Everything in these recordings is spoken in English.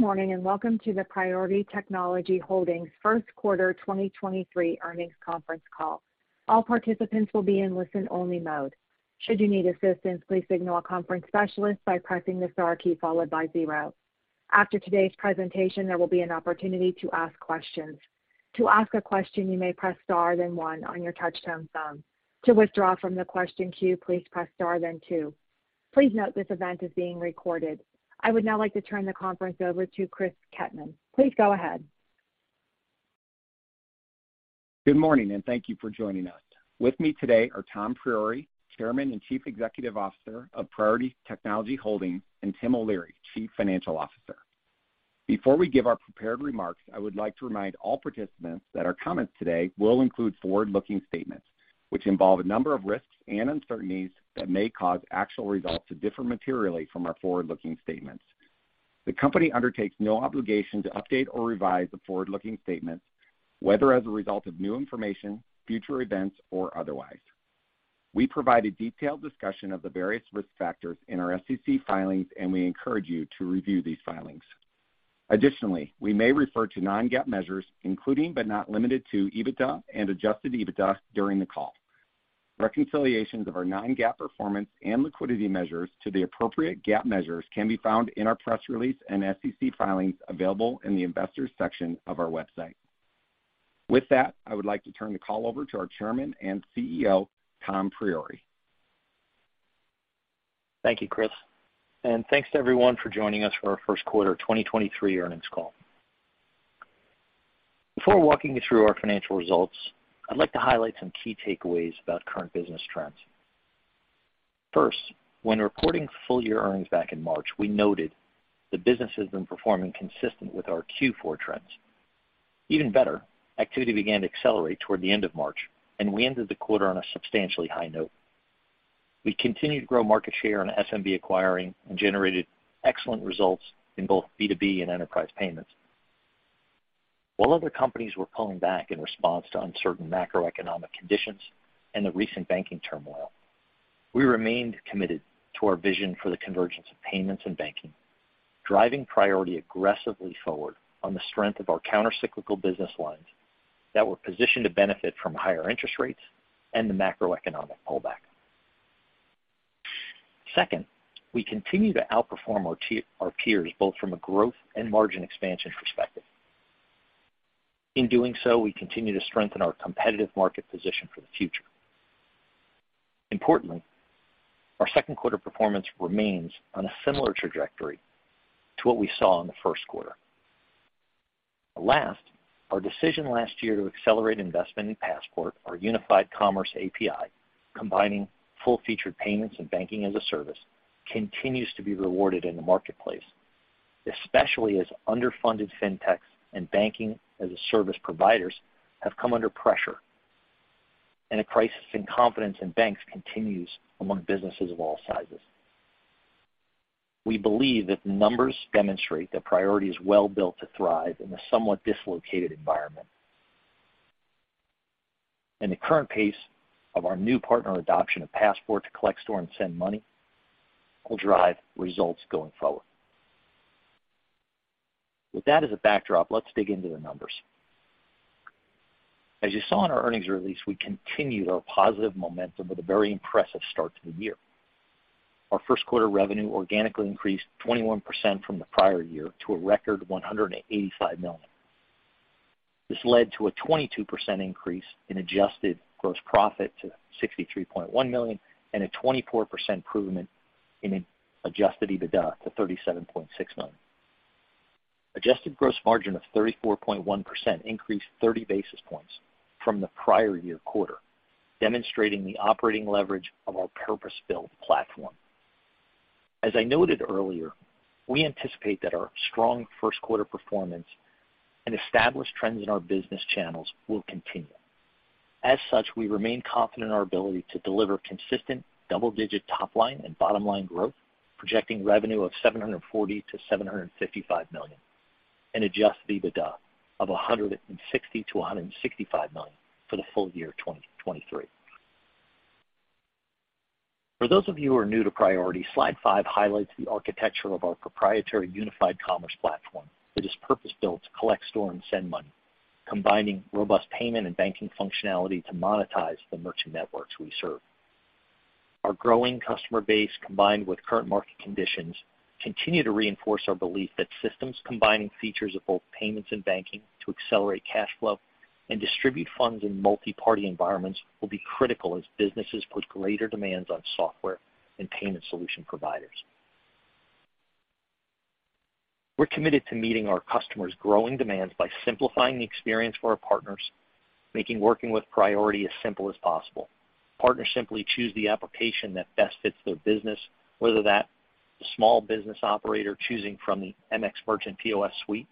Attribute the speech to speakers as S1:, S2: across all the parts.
S1: Good morning, welcome to the Priority Technology Holdings First Quarter 2023 Earnings Conference Call. All participants will be in listen-only mode. Should you need assistance, please signal a conference specialist by pressing the star key followed by 0. After today's presentation, there will be an opportunity to ask questions. To ask a question, you may press star then 1 on your touch-tone phone. To withdraw from the question queue, please press star then 2. Please note this event is being recorded. I would now like to turn the conference over to Chris Kettmann. Please go ahead.
S2: Good morning, and thank you for joining us. With me today are Tom Priore, Chairman and Chief Executive Officer of Priority Technology Holdings, and Tim O'Leary, Chief Financial Officer. Before we give our prepared remarks, I would like to remind all participants that our comments today will include forward-looking statements, which involve a number of risks and uncertainties that may cause actual results to differ materially from our forward-looking statements. The company undertakes no obligation to update or revise the forward-looking statements, whether as a result of new information, future events, or otherwise. We provide a detailed discussion of the various risk factors in our SEC filings, and we encourage you to review these filings. Additionally, we may refer to non-GAAP measures, including, but not limited to EBITDA and adjusted EBITDA during the call. Reconciliations of our non-GAAP performance and liquidity measures to the appropriate GAAP measures can be found in our press release and SEC filings available in the Investors section of our website. With that, I would like to turn the call over to our Chairman and CEO, Tom Priore.
S3: Thank you, Chris, and thanks to everyone for joining us for our 1st quarter 2023 earnings call. Before walking you through our financial results, I'd like to highlight some key takeaways about current business trends. First, when reporting full-year earnings back in March, we noted the business has been performing consistent with our Q4 trends. Even better, activity began to accelerate toward the end of March, and we ended the quarter on a substantially high note. We continued to grow market share on SMB acquiring and generated excellent results in both B2B and enterprise payments. While other companies were pulling back in response to uncertain macroeconomic conditions and the recent banking turmoil, we remained committed to our vision for the convergence of payments and banking, driving Priority aggressively forward on the strength of our countercyclical business lines that were positioned to benefit from higher interest rates and the macroeconomic pullback. Second, we continue to outperform our peers, both from a growth and margin expansion perspective. In doing so, we continue to strengthen our competitive market position for the future. Importantly, our second quarter performance remains on a similar trajectory to what we saw in the first quarter. Our decision last year to accelerate investment in Passport, our unified commerce API, combining full-featured payments and Banking-as-a-Service, continues to be rewarded in the marketplace, especially as underfunded fintechs and Banking-as-a-Service providers have come under pressure, and a crisis in confidence in banks continues among businesses of all sizes. We believe that the numbers demonstrate that Priority is well-built to thrive in a somewhat dislocated environment. The current pace of our new partner adoption of Passport to collect, store, and send money will drive results going forward. With that as a backdrop, let's dig into the numbers. As you saw in our earnings release, we continued our positive momentum with a very impressive start to the year. Our first quarter revenue organically increased 21% from the prior year to a record $185 million. This led to a 22% increase in adjusted gross profit to $63.1 million and a 24% improvement in adjusted EBITDA to $37.6 million. Adjusted gross margin of 34.1% increased 30 basis points from the prior year quarter, demonstrating the operating leverage of our purpose-built platform. As I noted earlier, we anticipate that our strong first quarter performance and established trends in our business channels will continue. We remain confident in our ability to deliver consistent double-digit top line and bottom line growth, projecting revenue of $740 million-$755 million and adjusted EBITDA of $160 million-$165 million for the full year 2023. For those of you who are new to Priority, slide five highlights the architecture of our proprietary unified commerce platform that is purpose-built to collect, store, and send money, combining robust payment and banking functionality to monetize the merchant networks we serve. Our growing customer base, combined with current market conditions, continue to reinforce our belief that systems combining features of both payments and banking to accelerate cash flow and distribute funds in multi-party environments will be critical as businesses put greater demands on software and payment solution providers. We're committed to meeting our customers' growing demands by simplifying the experience for our partners, making working with Priority as simple as possible. Partners simply choose the application that best fits their business, whether that's a small business operator choosing from the MX Merchant POS suite,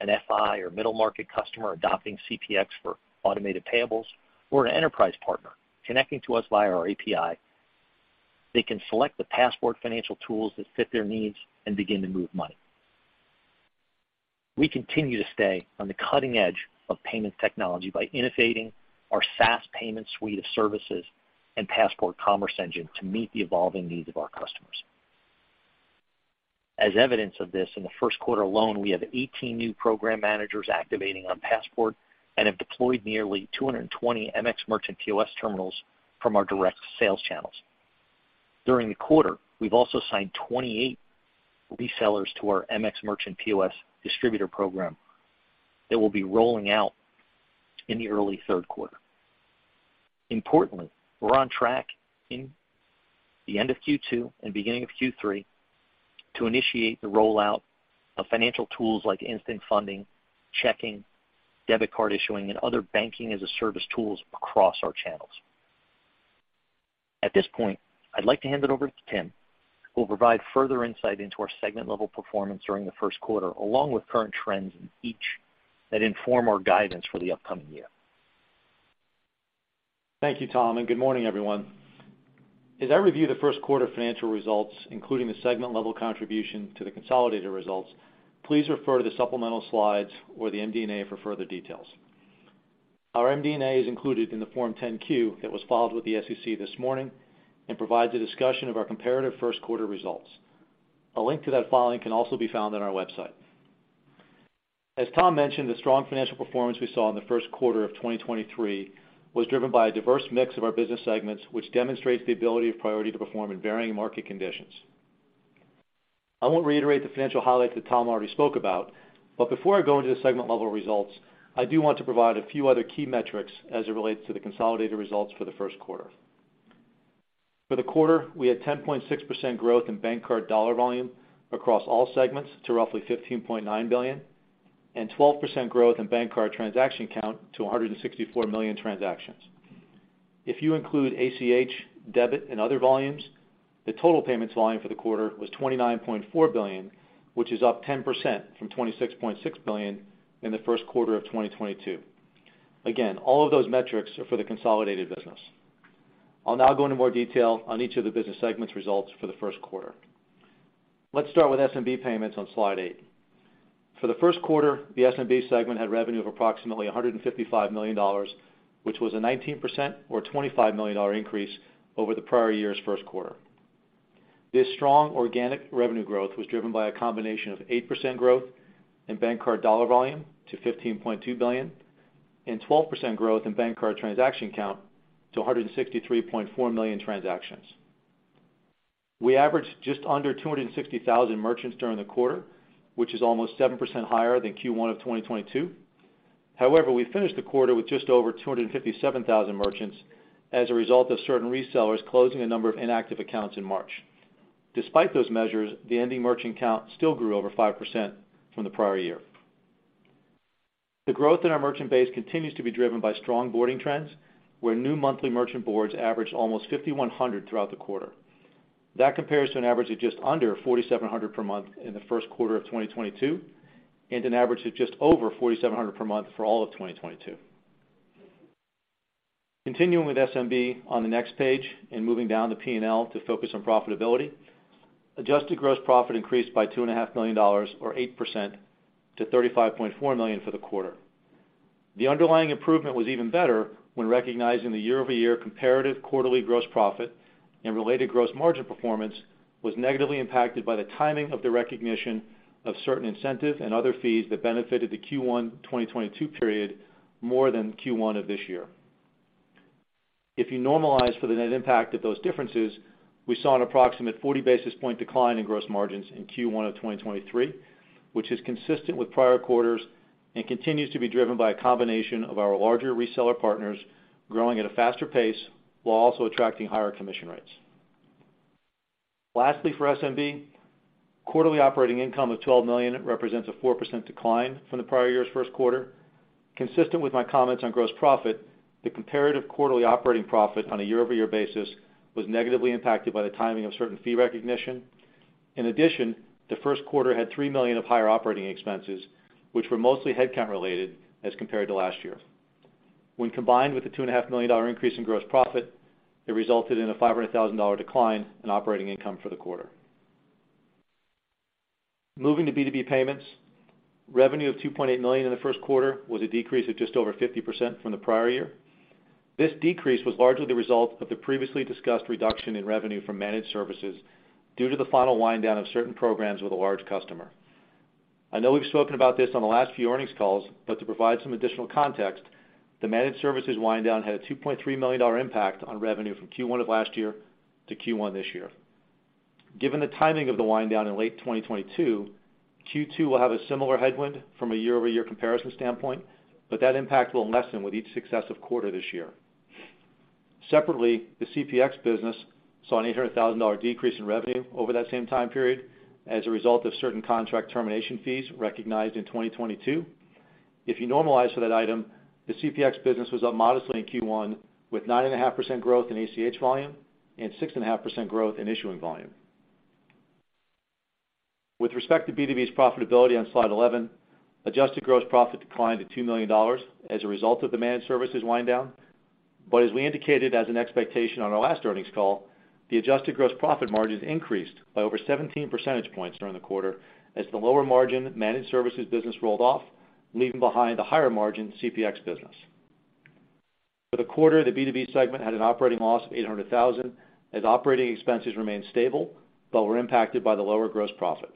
S3: an FI or middle-market customer adopting CPX for automated payables, or an enterprise partner connecting to us via our API. They can select the Passport financial tools that fit their needs and begin to move money. We continue to stay on the cutting edge of payment technology by innovating our SaaS payment suite of services and Passport commerce engine to meet the evolving needs of our customers. As evidence of this, in the first quarter alone, we have 18 new program managers activating on Passport and have deployed nearly 220 MX Merchant POS terminals from our direct sales channels. During the quarter, we've also signed 28 resellers to our MX Merchant POS distributor program that will be rolling out in the early third quarter. Importantly, we're on track in the end of Q2 and beginning of Q3 to initiate the rollout of financial tools like instant funding, checking, debit card issuing, and other Banking-as-a-Service tools across our channels. At this point, I'd like to hand it over to Tim, who will provide further insight into our segment-level performance during the first quarter, along with current trends in each that inform our guidance for the upcoming year.
S4: Thank you, Tom. Good morning, everyone. As I review the first quarter financial results, including the segment-level contribution to the consolidated results, please refer to the supplemental slides or the MD&A for further details. Our MD&A is included in the Form 10-Q that was filed with the SEC this morning and provides a discussion of our comparative first quarter results. A link to that filing can also be found on our website. As Tom mentioned, the strong financial performance we saw in the first quarter of 2023 was driven by a diverse mix of our business segments, which demonstrates the ability of Priority to perform in varying market conditions. I won't reiterate the financial highlights that Tom already spoke about, but before I go into the segment-level results, I do want to provide a few other key metrics as it relates to the consolidated results for the first quarter. For the quarter, we had 10.6% growth in bank card dollar volume across all segments to roughly $15.9 billion and 12% growth in bank card transaction count to 164 million transactions. If you include ACH, debit, and other volumes, the total payments volume for the quarter was $29.4 billion, which is up 10% from $26.6 billion in the first quarter of 2022. Again, all of those metrics are for the consolidated business. I'll now go into more detail on each of the business segments results for the first quarter. Let's start with SMB payments on slide eight. For the first quarter, the SMB segment had revenue of approximately $155 million, which was a 19% or $25 million increase over the prior year's first quarter. This strong organic revenue growth was driven by a combination of 8% growth in bank card dollar volume to $15.2 billion and 12% growth in bank card transaction count to 163.4 million transactions. We averaged just under 260,000 merchants during the quarter, which is almost 7% higher than Q1 of 2022. However, we finished the quarter with just over 257,000 merchants as a result of certain resellers closing a number of inactive accounts in March. Despite those measures, the ending merchant count still grew over 5% from the prior year. The growth in our merchant base continues to be driven by strong boarding trends, where new monthly merchant boards averaged almost 5,100 throughout the quarter. That compares to an average of just under 4,700 per month in the first quarter of 2022 and an average of just over 4,700 per month for all of 2022. Continuing with SMB on the next page and moving down to P&L to focus on profitability, adjusted gross profit increased by $2.5 million or 8% to $35.4 million for the quarter. The underlying improvement was even better when recognizing the year-over-year comparative quarterly gross profit and related gross margin performance was negatively impacted by the timing of the recognition of certain incentive and other fees that benefited the Q1 2022 period more than Q1 of this year. If you normalize for the net impact of those differences, we saw an approximate 40 basis point decline in gross margins in Q1 of 2023, which is consistent with prior quarters and continues to be driven by a combination of our larger reseller partners growing at a faster pace while also attracting higher commission rates. Lastly, for SMB, quarterly operating income of $12 million represents a 4% decline from the prior year's first quarter. Consistent with my comments on gross profit, the comparative quarterly operating profit on a year-over-year basis was negatively impacted by the timing of certain fee recognition. In addition, the first quarter had $3 million of higher operating expenses, which were mostly headcount-related as compared to last year. When combined with the $2.5 million increase in gross profit, it resulted in a $500,000 decline in operating income for the quarter. Moving to B2B payments, revenue of $2.8 million in the first quarter was a decrease of just over 50% from the prior year. This decrease was largely the result of the previously discussed reduction in revenue from managed services due to the final wind down of certain programs with a large customer. I know we've spoken about this on the last few earnings calls, but to provide some additional context, the managed services wind down had a $2.3 million impact on revenue from Q1 of last year to Q1 this year. Given the timing of the wind down in late 2022, Q2 will have a similar headwind from a year-over-year comparison standpoint, but that impact will lessen with each successive quarter this year. Separately, the CPX business saw an $800,000 decrease in revenue over that same time period as a result of certain contract termination fees recognized in 2022. If you normalize for that item, the CPX business was up modestly in Q1 with 9.5% growth in ACH volume and 6.5% growth in issuing volume. With respect to B2B's profitability on slide 11, adjusted gross profit declined to $2 million as a result of the managed services wind down. As we indicated as an expectation on our last earnings call, the adjusted gross profit margins increased by over 17 percentage points during the quarter as the lower margin managed services business rolled off, leaving behind the higher margin CPX business. For the quarter, the B2B segment had an operating loss of $800,000 as operating expenses remained stable, but were impacted by the lower gross profit.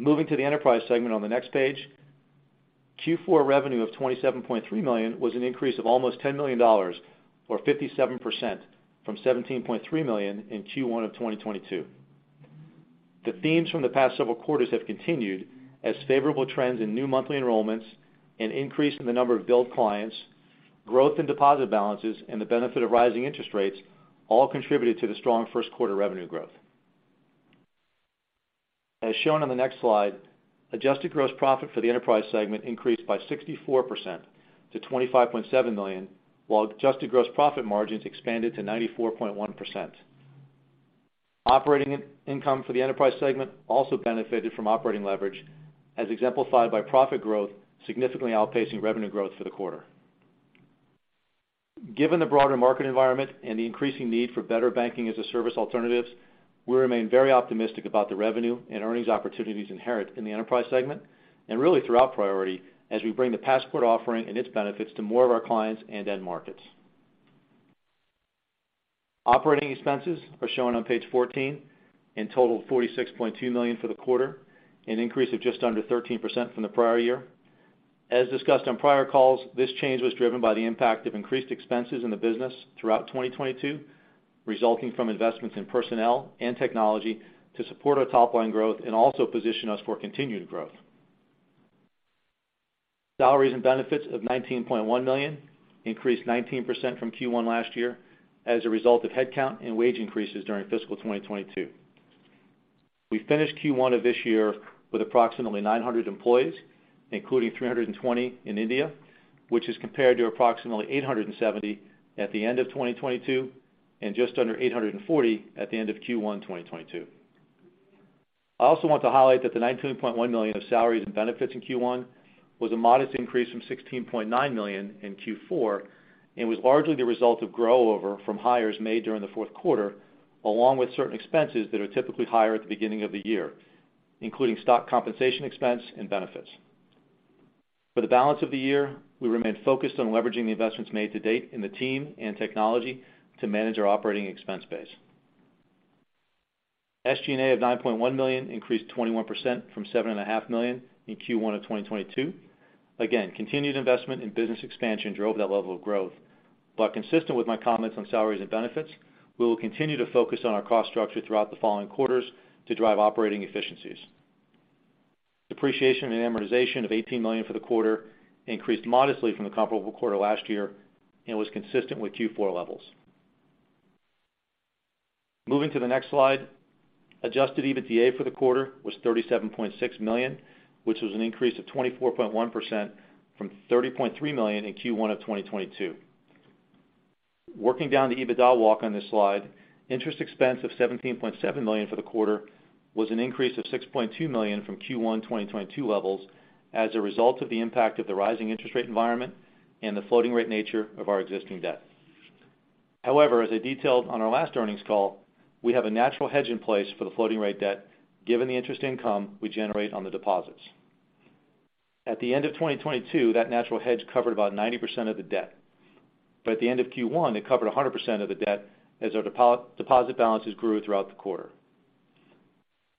S4: Moving to the enterprise segment on the next page, Q4 revenue of $27.3 million was an increase of almost $10 million or 57% from $17.3 million in Q1 of 2022. The themes from the past several quarters have continued as favorable trends in new monthly enrollments, an increase in the number of build clients, growth in deposit balances, and the benefit of rising interest rates all contributed to the strong first quarter revenue growth. As shown on the next slide, adjusted gross profit for the enterprise segment increased by 64% to $25.7 million, while adjusted gross profit margins expanded to 94.1%. Operating income for the enterprise segment also benefited from operating leverage, as exemplified by profit growth significantly outpacing revenue growth for the quarter. Given the broader market environment and the increasing need for better Banking-as-a-Service alternatives, we remain very optimistic about the revenue and earnings opportunities inherent in the enterprise segment and really throughout Priority as we bring the Passport offering and its benefits to more of our clients and end markets. Operating expenses are shown on page 14 and totaled $46.2 million for the quarter, an increase of just under 13% from the prior year. As discussed on prior calls, this change was driven by the impact of increased expenses in the business throughout 2022, resulting from investments in personnel and technology to support our top line growth and also position us for continued growth. Salaries and benefits of $19.1 million increased 19% from Q1 last year as a result of headcount and wage increases during fiscal 2022. We finished Q1 of this year with approximately employees, including 320 in India, which is compared to approximately 870 at the end of 2022 and just under 840 at the end of Q1 2022. I also want to highlight that the $19.1 million of salaries and benefits in Q1 was a modest increase from $16.9 million in Q4 and was largely the result of grow over from hires made during the fourth quarter, along with certain expenses that are typically higher at the beginning of the year, including stock compensation expense and benefits. For the balance of the year, we remain focused on leveraging the investments made to date in the team and technology to manage our operating expense base. SG&A of $9.1 million increased 21% from $7.5 million in Q1 of 2022. Continued investment in business expansion drove that level of growth. Consistent with my comments on salaries and benefits, we will continue to focus on our cost structure throughout the following quarters to drive operating efficiencies. Depreciation and amortization of $18 million for the quarter increased modestly from the comparable quarter last year and was consistent with Q4 levels. Moving to the next slide, adjusted EBITDA for the quarter was $37.6 million, which was an increase of 24.1% from $30.3 million in Q1 of 2022. Working down the EBITDA walk on this slide, interest expense of $17.7 million for the quarter was an increase of $6.2 million from Q1 2022 levels as a result of the impact of the rising interest rate environment and the floating rate nature of our existing debt. As I detailed on our last earnings call, we have a natural hedge in place for the floating rate debt given the interest income we generate on the deposits. At the end of 2022, that natural hedge covered about 90% of the debt. At the end of Q1, it covered 100% of the debt as our deposit balances grew throughout the quarter.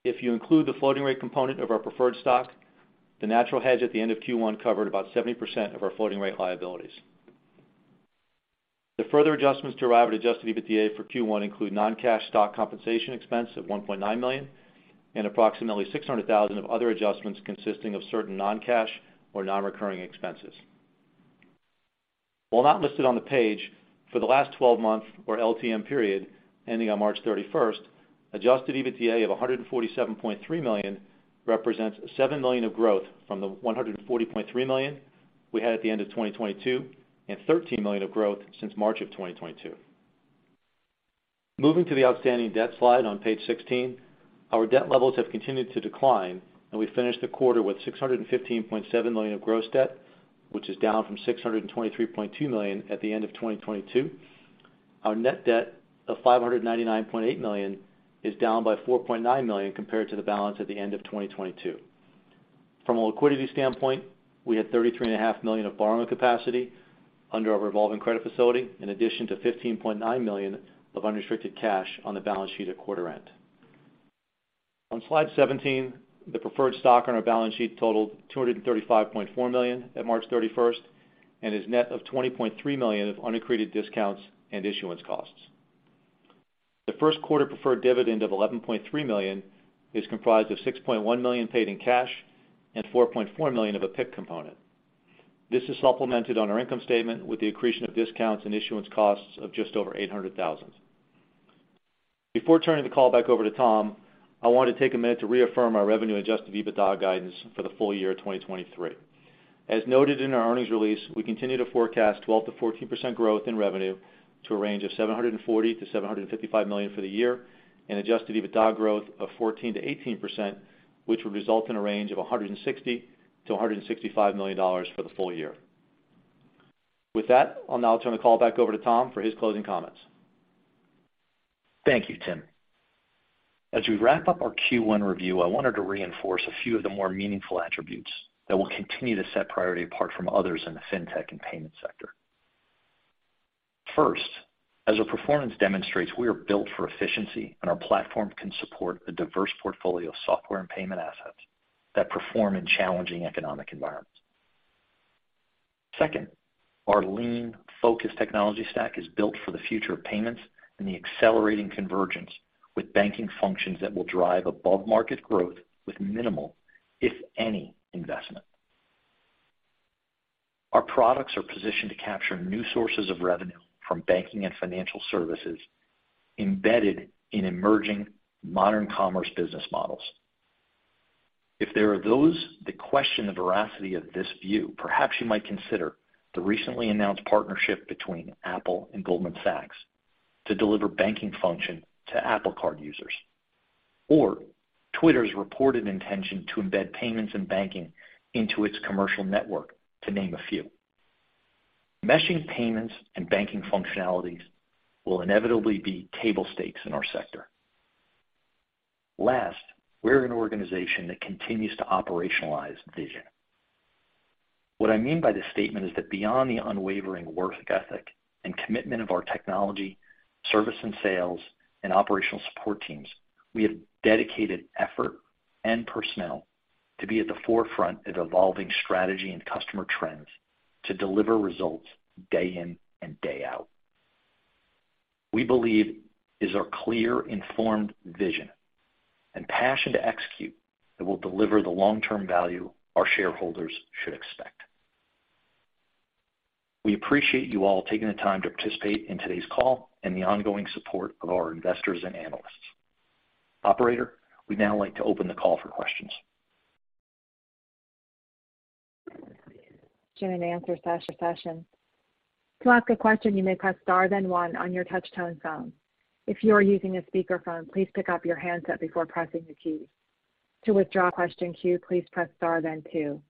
S4: If you include the floating rate component of our preferred stock, the natural hedge at the end of Q1 covered about 70% of our floating rate liabilities. The further adjustments to arrive at adjusted EBITDA for Q1 include non-cash stock compensation expense of $1.9 million and approximately $600,000 of other adjustments consisting of certain non-cash or non-recurring expenses. While not listed on the page, for the last 12-month, or LTM, period ending on March 31st, adjusted EBITDA of $147.3 million represents $7 million of growth from the $140.3 million we had at the end of 2022 and $13 million of growth since March of 2022. Moving to the outstanding debt slide on page 16. Our debt levels have continued to decline and we finished the quarter with $615.7 million of gross debt, which is down from $623.2 million at the end of 2022. Our net debt of $599.8 million is down by $4.9 million compared to the balance at the end of 2022. From a liquidity standpoint, we had $33.5 million of borrowing capacity under our revolving credit facility, in addition to $15.9 million of unrestricted cash on the balance sheet at quarter end. On slide 17, the preferred stock on our balance sheet totaled $235.4 million at March 31st and is net of $20.3 million of unaccreted discounts and issuance costs. The first quarter preferred dividend of $11.3 million is comprised of $6.1 million paid in cash and $4.4 million of a PIK component. This is supplemented on our income statement with the accretion of discounts and issuance costs of just over $800,000. Before turning the call back over to Tom, I want to take a minute to reaffirm our revenue adjusted EBITDA guidance for the full year 2023. As noted in our earnings release, we continue to forecast 12%-14% growth in revenue to a range of $740 million-$755 million for the year and adjusted EBITDA growth of 14%-18%, which would result in a range of $160 million-$165 million for the full year. With that, I'll now turn the call back over to Tom for his closing comments.
S3: Thank you, Tim. As we wrap up our Q1 review, I wanted to reinforce a few of the more meaningful attributes that will continue to set Priority apart from others in the Fintech and payment sector. As our performance demonstrates, we are built for efficiency, and our platform can support a diverse portfolio of software and payment assets that perform in challenging economic environments. Our lean focused technology stack is built for the future of payments and the accelerating convergence with banking functions that will drive above-market growth with minimal, if any, investment. Our products are positioned to capture new sources of revenue from banking and financial services embedded in emerging modern commerce business models. If there are those that question the veracity of this view, perhaps you might consider the recently announced partnership between Apple and Goldman Sachs to deliver banking function to Apple Card users, or Twitter's reported intention to embed payments and banking into its commercial network, to name a few. Meshing payments and banking functionalities will inevitably be table stakes in our sector. We're an organization that continues to operationalize vision. What I mean by this statement is that beyond the unwavering work ethic and commitment of our technology, service and sales and operational support teams, we have dedicated effort and personnel to be at the forefront of evolving strategy and customer trends to deliver results day in and day out. We believe it is our clear, informed vision and passion to execute that will deliver the long-term value our shareholders should expect. We appreciate you all taking the time to participate in today's call and the ongoing support of our investors and analysts. Operator, we'd now like to open the call for questions.
S1: Join answer session. To ask a question, you may press star then 1 on your touch tone phone. If you are using a speakerphone, please pick up your handset before pressing the key. To withdraw question queue, please press star then 2.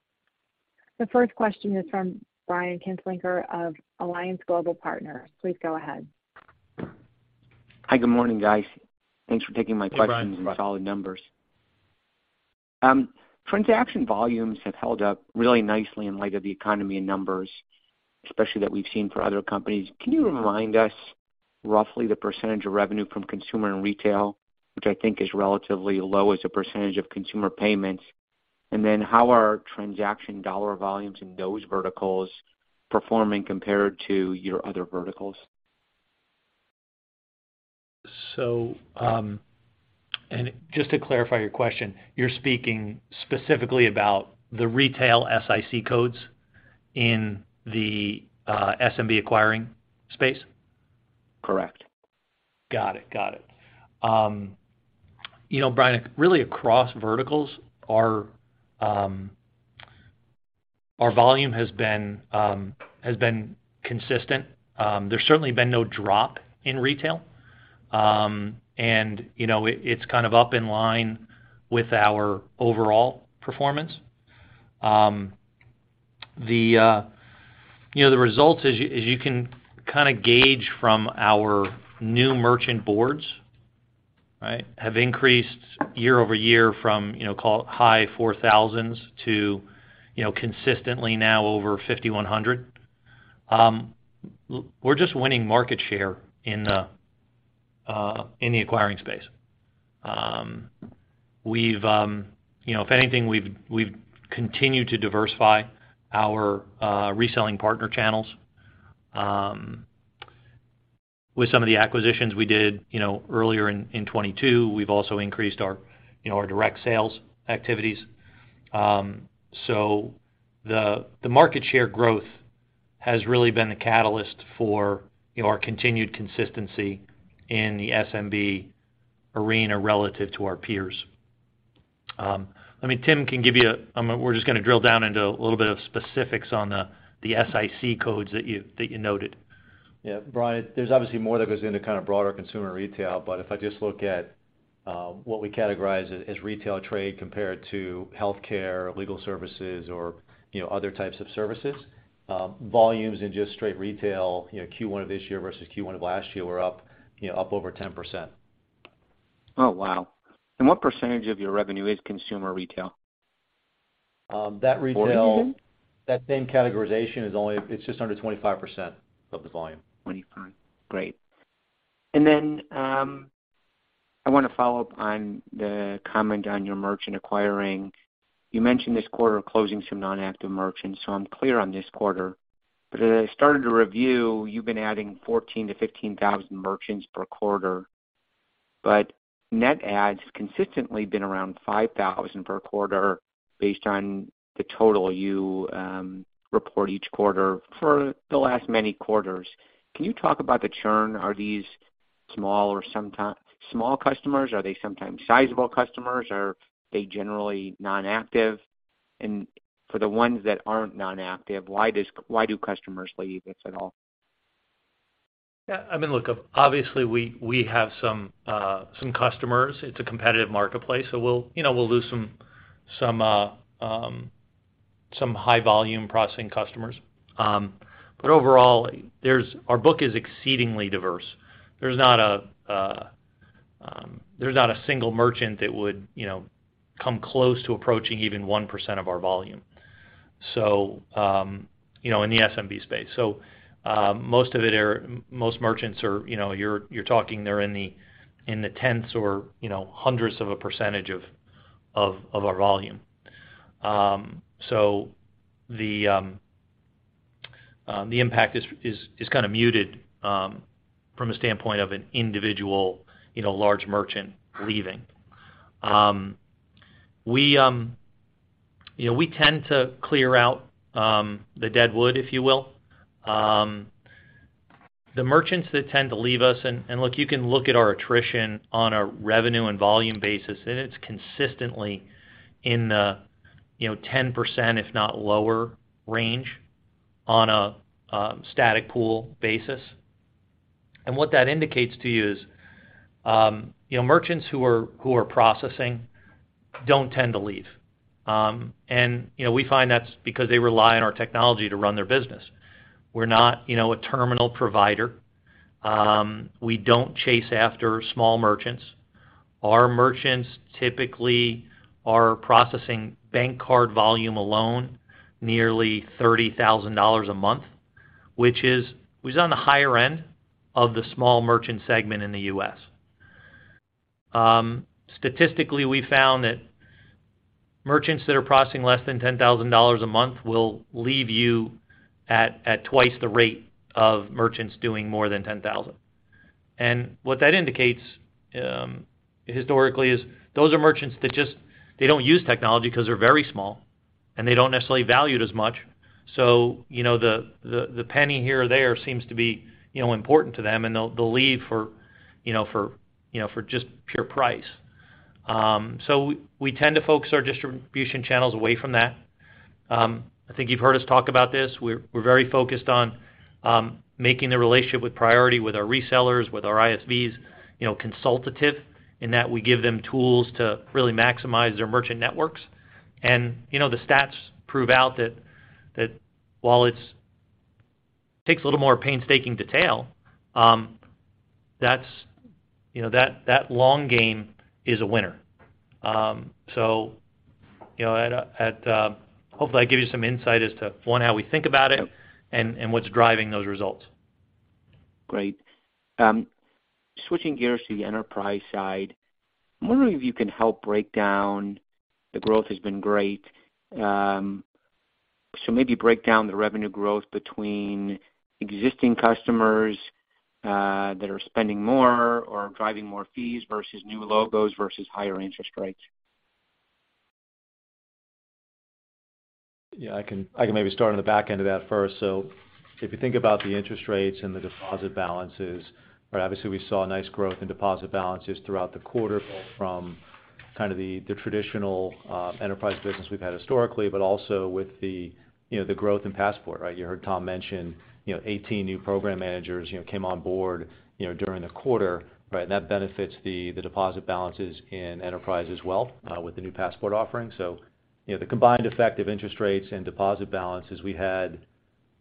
S1: The first question is from Brian Kinstlinger of Alliance Global Partners. Please go ahead.
S5: Hi. Good morning, guys. Thanks for taking my questions-
S3: Hey, Brian....
S5: and solid numbers. transaction volumes have held up really nicely in light of the economy and numbers especially that we've seen for other companies. Can you remind us roughly the percentage of revenue from consumer and retail, which I think is relatively low as a percentage of consumer payments? And then how are transaction dollar volumes in those verticals performing compared to your other verticals?
S3: Just to clarify your question, you're speaking specifically about the retail SIC codes in the SMB acquiring space?
S5: Correct.
S3: Got it. Got it. You know, Brian Kinstlinger, really across verticals, our volume has been consistent. There's certainly been no drop in retail. And, you know, it's kind of up in line with our overall performance. The, you know, the results is you can kind of gauge from our new merchant boards, right, have increased year-over-year from, you know, call it high 4,000s to, you know, consistently now over 5,100. We're just winning market share in the acquiring space. We've, you know, if anything, we've continued to diversify our reselling partner channels with some of the acquisitions we did, you know, earlier in 2022. We've also increased our, you know, our direct sales activities. The market share growth has really been the catalyst for, you know, our continued consistency in the SMB arena relative to our peers. I mean, Tim can give you a. We're just gonna drill down into a little bit of specifics on the SIC codes that you noted.
S4: Yeah. Brian, there's obviously more that goes into kind of broader consumer retail, but if I just look at, what we categorize as retail trade compared to healthcare, legal services or, you know, other types of services, volumes in just straight retail, you know, Q1 of this year versus Q1 of last year were up, you know, up over 10%.
S5: Oh, wow. What percentage of your revenue is consumer retail?
S4: Um, that retail-
S3: 40%.
S4: That same categorization is only it's just under 25% of the volume.
S5: 25. Great. I wanna follow up on the comment on your merchant acquiring. You mentioned this quarter closing some non-active merchants, so I'm clear on this quarter. As I started to review, you've been adding 14,000-15,000 merchants per quarter, but net adds consistently been around 5,000 per quarter based on the total you report each quarter for the last many quarters. Can you talk about the churn? Are these small customers? Are they sometimes sizable customers? Are they generally non-active? For the ones that aren't non-active, why do customers leave, if at all?
S3: Yeah. I mean, look, obviously, we have some customers. It's a competitive marketplace, we'll, you know, we'll lose some. Some high volume processing customers. Overall, our book is exceedingly diverse. There's not a, there's not a single merchant that would, you know, come close to approaching even 1% of our volume. You know, in the SMB space. Most of it are-- most merchants are, you know, you're talking they're in the, in the tenths or, you know, hundreds of a percentage of our volume. The impact is kind of muted from a standpoint of an individual, you know, large merchant leaving. We, you know, we tend to clear out the deadwood, if you will. The merchants that tend to leave us and look, you can look at our attrition on a revenue and volume basis, and it's consistently in the, you know, 10% if not lower range on a static pool basis. What that indicates to you is, you know, merchants who are processing don't tend to leave. You know, we find that's because they rely on our technology to run their business. We're not, you know, a terminal provider. We don't chase after small merchants. Our merchants typically are processing bank card volume alone nearly $30,000 a month, which is, was on the higher end of the small merchant segment in the U.S. Statistically, we found that merchants that are processing less than $10,000 a month will leave you at twice the rate of merchants doing more than $10,000. What that indicates, historically is those are merchants that they don't use technology because they're very small, and they don't necessarily value it as much. You know, the penny here or there seems to be, you know, important to them, and they'll leave for, you know, for just pure price. We tend to focus our distribution channels away from that. I think you've heard us talk about this. We're very focused on making the relationship with Priority with our resellers, with our ISVs, you know, consultative in that we give them tools to really maximize their merchant networks. You know, the stats prove out that while it's takes a little more painstaking detail, that's, you know, that long game is a winner. You know, hopefully, I gave you some insight as to, one, how we think about it and what's driving those results.
S5: Great. Switching gears to the enterprise side, I'm wondering if you can help break down the growth has been great. Maybe break down the revenue growth between existing customers that are spending more or driving more fees versus new logos versus higher interest rates.
S4: Yeah, I can maybe start on the back end of that first. If you think about the interest rates and the deposit balances, right? Obviously, we saw nice growth in deposit balances throughout the quarter both from kind of the traditional enterprise business we've had historically, but also with the, you know, the growth in Passport, right? You heard Tom mention, you know, 18 new program managers, you know, came on board, you know, during the quarter, right? That benefits the deposit balances in enterprise as well with the new Passport offering. You know, the combined effect of interest rates and deposit balances, we had,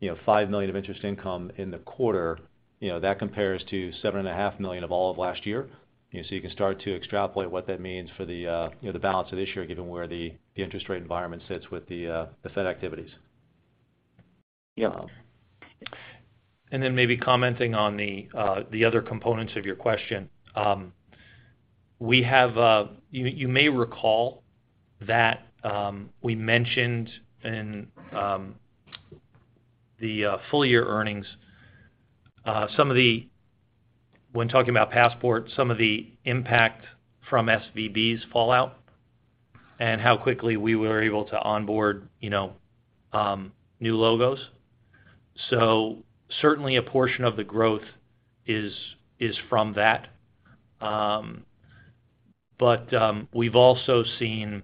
S4: you know, $5 million of interest income in the quarter. You know, that compares to $7.5 million of all of last year. You know, you can start to extrapolate what that means for the, you know, the balance of this year, given where the interest rate environment sits with the Fed activities.
S5: Yeah.
S3: Then maybe commenting on the other components of your question. We have, you may recall that we mentioned in the full year earnings, when talking about Passport, some of the impact from SVB's fallout and how quickly we were able to onboard, you know, new logos. Certainly a portion of the growth is from that. But we've also seen,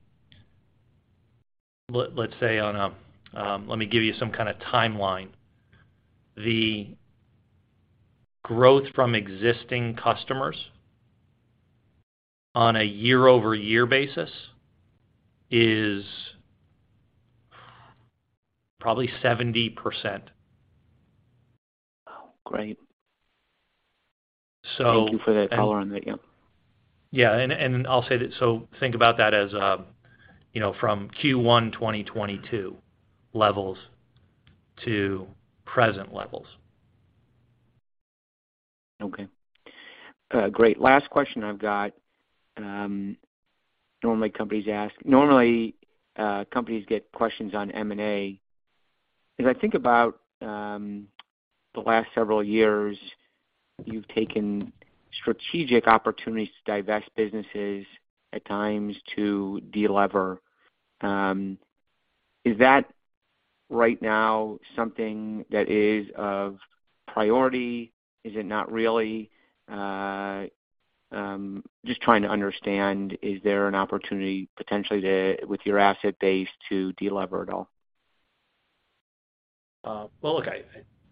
S3: let's say, let me give you some kind of timeline. The growth from existing customers on a year-over-year basis is probably 70%.
S5: Wow. Great.
S3: So-
S5: Thank you for that color on that. Yeah.
S3: Yeah. I'll say that so think about that as, you know, from Q1 2022 levels to present levels.
S5: Okay. Great. Last question I've got, normally companies get questions on M&A. As I think about the last several years, you've taken strategic opportunities to divest businesses at times to delever. Is that right now something that is of priority? Is it not really? Just trying to understand, is there an opportunity potentially to, with your asset base to delever at all?
S3: Well, look, I,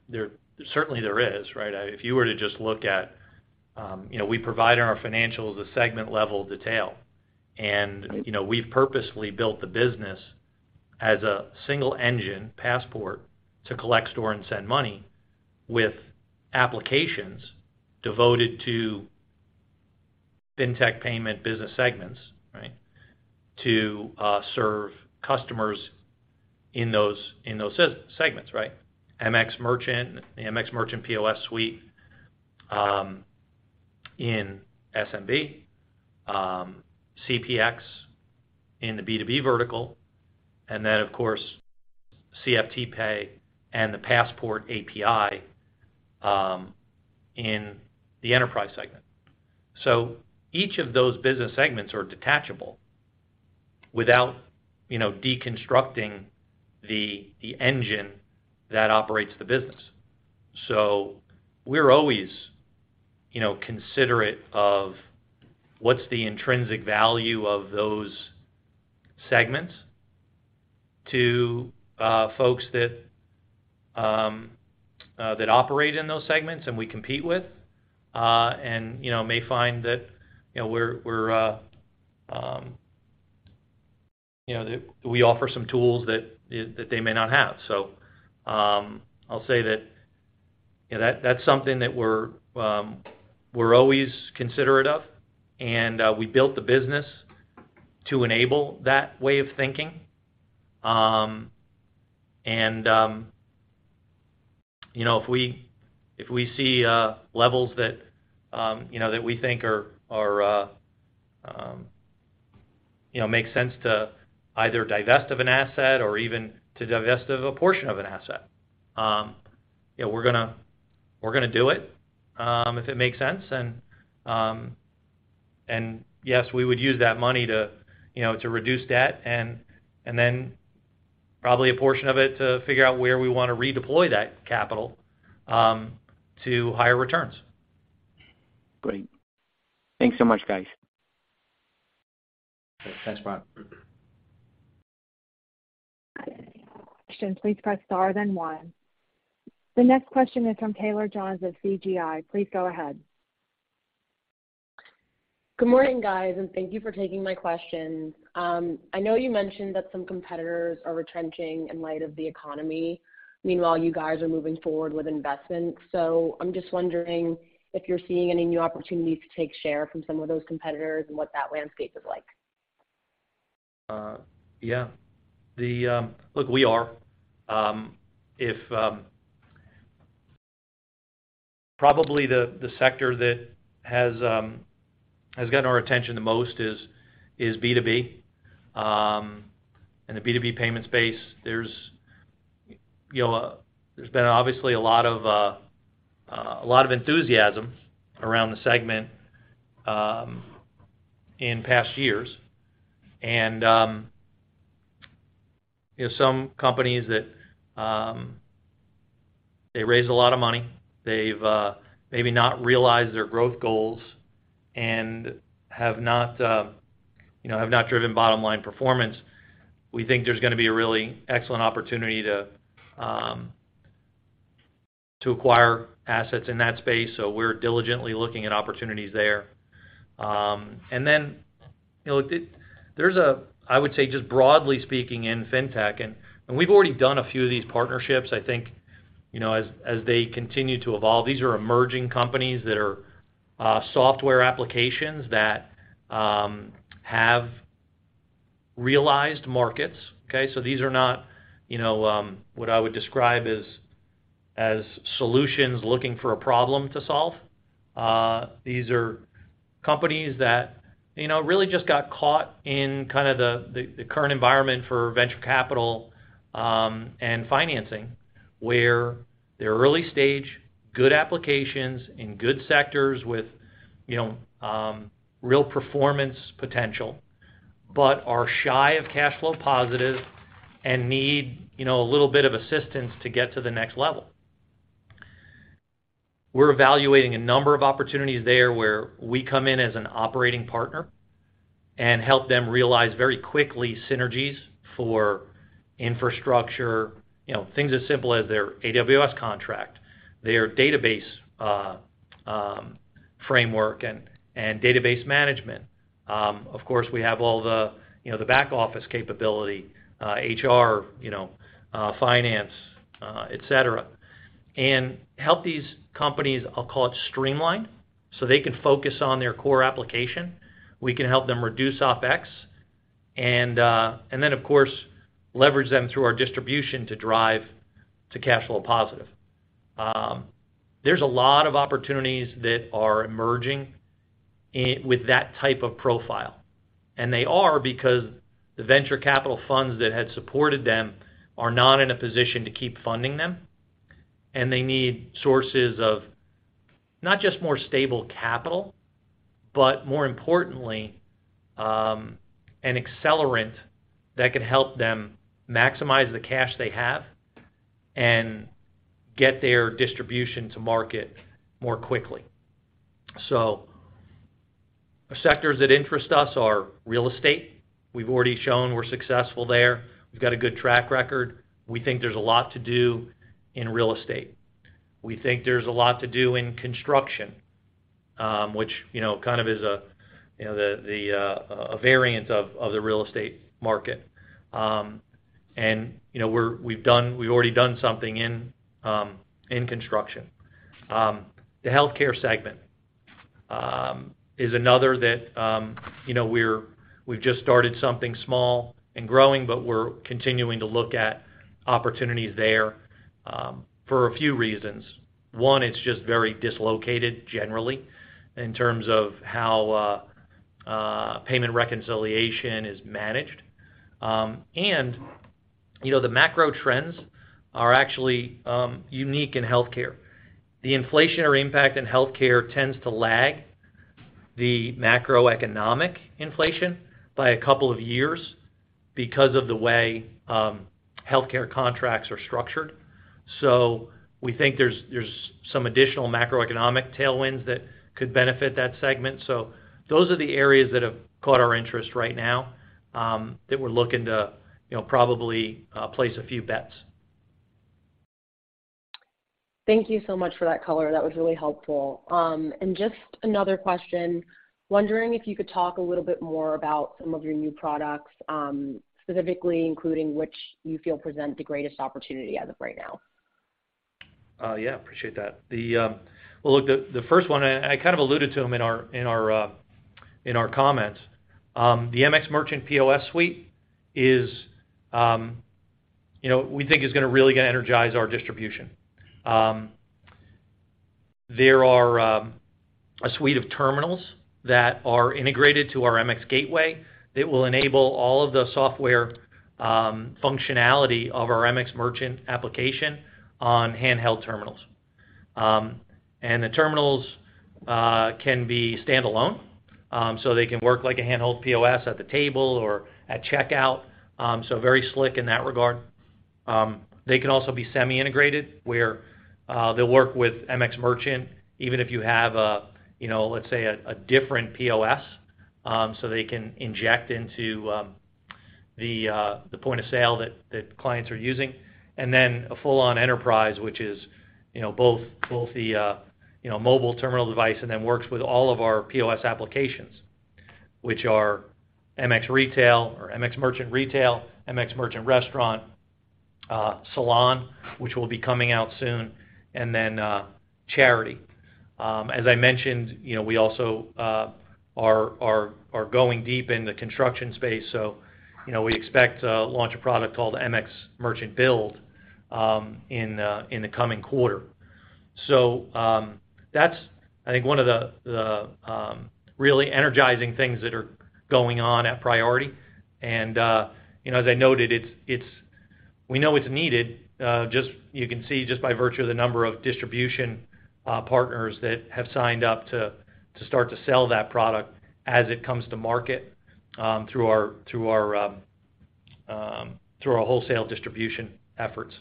S3: there certainly there is, right? If you were to just look at, you know, we provide in our financials a segment level detail. You know, we've purposefully built the business as a single engine Passport to collect, store, and send money with applications devoted to fintech payment business segments, right? To serve customers in those, in those segments, right? MX Merchant, the MX Merchant POS suite, in SMB, CPX in the B2B vertical, and then of course, CFTPay and the Passport API, in the enterprise segment. Each of those business segments are detachable without, you know, deconstructing the engine that operates the business. We're always, you know, considerate of what's the intrinsic value of those segments to folks that operate in those segments and we compete with, and, you know, may find that, you know, we're, you know, that we offer some tools that they may not have. I'll say that, you know, that's something that we're always considerate of, and we built the business to enable that way of thinking. If we see levels that, you know, that we think are, you know, make sense to either divest of an asset or even to divest of a portion of an asset, you know, we're gonna do it if it makes sense. Yes, we would use that money to, you know, to reduce debt and then probably a portion of it to figure out where we wanna redeploy that capital to higher returns.
S5: Great. Thanks so much, guys.
S3: Thanks, Brian.
S1: Question, please press Star then one. The next question is from Taylor John at CGI. Please go ahead.
S6: Good morning, guys, and thank you for taking my questions. I know you mentioned that some competitors are retrenching in light of the economy. Meanwhile, you guys are moving forward with investments. I'm just wondering if you're seeing any new opportunities to take share from some of those competitors and what that landscape is like?
S3: Yeah. Look, we are. Probably the sector that has gotten our attention the most is B2B. The B2B payment space, there's, you know, there's been obviously a lot of enthusiasm around the segment in past years. You know, some companies that, they raised a lot of money. They've maybe not realized their growth goals and have not, you know, have not driven bottom-line performance. We think there's gonna be a really excellent opportunity to acquire assets in that space. We're diligently looking at opportunities there. You know, there's a, I would say, just broadly speaking in fintech, and we've already done a few of these partnerships. I think, you know, as they continue to evolve, these are emerging companies that are software applications that have realized markets. These are not, you know, what I would describe as solutions looking for a problem to solve. These are companies that, you know, really just got caught in kind of the current environment for venture capital and financing. Where they're early stage, good applications in good sectors with, you know, real performance potential, but are shy of cash flow positive and need, you know, a little bit of assistance to get to the next level. We're evaluating a number of opportunities there, where we come in as an operating partner and help them realize very quickly synergies for infrastructure. You know, things as simple as their AWS contract, their database framework and database management. Of course, we have all the, you know, the back office capability, HR, you know, finance, et cetera. Help these companies, I'll call it streamline, so they can focus on their core application. We can help them reduce OpEx and, of course, leverage them through our distribution to drive to cash flow positive. There's a lot of opportunities that are emerging with that type of profile, and they are because the venture capital funds that had supported them are not in a position to keep funding them. They need sources of not just more stable capital, but more importantly, an accelerant that can help them maximize the cash they have and get their distribution to market more quickly. The sectors that interest us are real estate. We've already shown we're successful there. We've got a good track record. We think there's a lot to do in real estate. We think there's a lot to do in construction, which, you know, kind of is a, you know, the a variant of the real estate market. You know, we've already done something in construction. The healthcare segment is another that, you know, we've just started something small and growing, but we're continuing to look at opportunities there for a few reasons. One, it's just very dislocated generally in terms of how payment reconciliation is managed. You know, the macro trends are actually unique in healthcare. The inflationary impact in healthcare tends to lag the macroeconomic inflation by a couple of years because of the way healthcare contracts are structured. We think there's some additional macroeconomic tailwinds that could benefit that segment. Those are the areas that have caught our interest right now, that we're looking to, you know, probably place a few bets.
S6: Thank you so much for that color. That was really helpful. Just another question. Wondering if you could talk a little bit more about some of your new products, specifically including which you feel present the greatest opportunity as of right now?
S3: Yeah. Appreciate that. Well, look, the first one, and I kind of alluded to them in our comments. The MX Merchant POS suite is, you know, we think is gonna really gonna energize our distribution. There are a suite of terminals that are integrated to our MX Gateway that will enable all of the software functionality of our MX Merchant application on handheld terminals. The terminals can be stand-alone, so they can work like a handheld POS at the table or at checkout, so very slick in that regard. They can also be semi-integrated, where they'll work with MX Merchant, even if you have a, you know, let's say a different POS, so they can inject into the point of sale that clients are using. A full-on enterprise, which is, you know, both the, you know, mobile terminal device and then works with all of our POS applications, which are MX Retail or MX Merchant Retail, MX Merchant Restaurant, Salon, which will be coming out soon, and then Charity. As I mentioned, you know, we also are going deep in the construction space, so, you know, we expect to launch a product called MX Merchant Build in the coming quarter. That's I think one of the really energizing things that are going on at Priority. You know, as I noted, we know it's needed, you can see just by virtue of the number of distribution partners that have signed up to start to sell that product as it comes to market through our wholesale distribution efforts.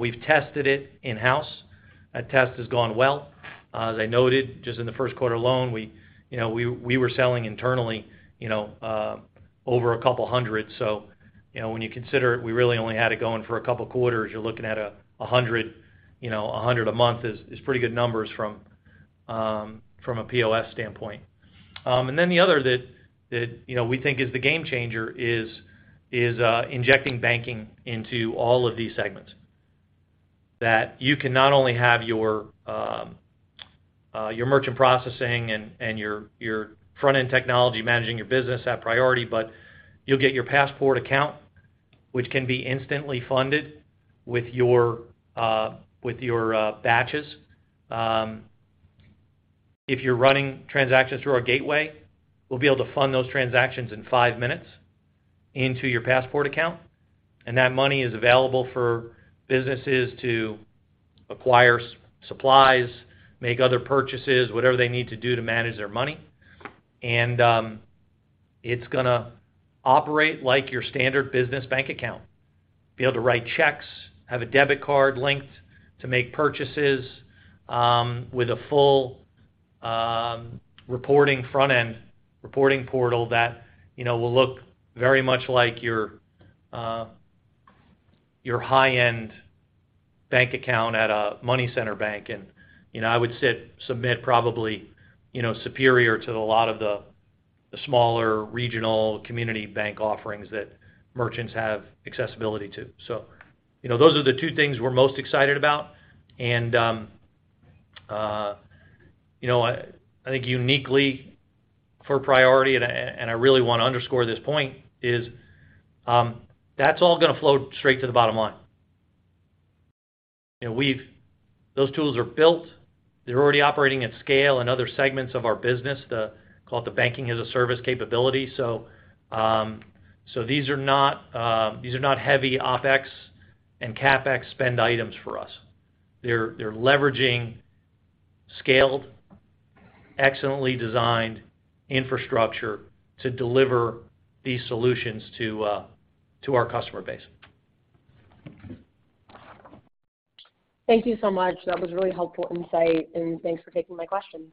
S3: We've tested it in-house. That test has gone well. As I noted, just in the first quarter alone, we were selling internally, you know, over a couple hundred. You know, when you consider it, we really only had it going for a couple quarters, you're looking at 100 a month is pretty good numbers from a POS standpoint. The other that, you know, we think is the game changer is injecting banking into all of these segments. That you can not only have your merchant processing and your front-end technology managing your business at Priority, but you'll get your Passport account, which can be instantly funded with your batches. If you're running transactions through our gateway, we'll be able to fund those transactions in five minutes into your Passport account, and that money is available for businesses to acquire supplies, make other purchases, whatever they need to do to manage their money. It's gonna operate like your standard business bank account. Be able to write checks, have a debit card linked to make purchases, with a full reporting front-end, reporting portal that, you know, will look very much like your high-end bank account at a money center bank. You know, I would submit probably, you know, superior to a lot of the smaller regional community bank offerings that merchants have accessibility to. You know, those are the two things we're most excited about. You know, I think uniquely for Priority, and I really wanna underscore this point, is that's all gonna flow straight to the bottom line. You know, those tools are built. They're already operating at scale in other segments of our business, called the Banking-as-a-Service capability. These are not, these are not heavy OpEx and CapEx spend items for us. They're leveraging, scaled, excellently designed infrastructure to deliver these solutions to our customer base.
S6: Thank you so much. That was really helpful insight, and thanks for taking my questions.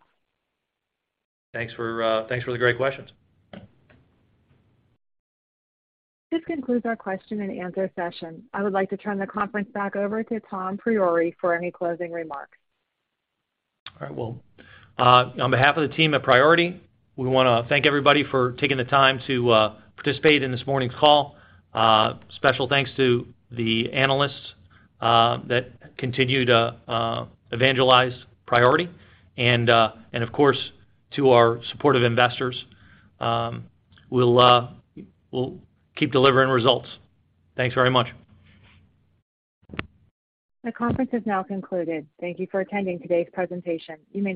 S3: Thanks for the great questions.
S1: This concludes our question and answer session. I would like to turn the conference back over to Tom Priore for any closing remarks.
S3: All right. Well, on behalf of the team at Priority, we wanna thank everybody for taking the time to participate in this morning's call. Special thanks to the analysts that continue to evangelize Priority and, of course, to our supportive investors. We'll keep delivering results. Thanks very much.
S1: The conference has now concluded. Thank you for attending today's presentation. You may now disconnect.